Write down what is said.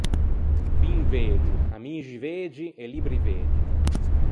Vin vegio, amixi vegi e libbri vegi.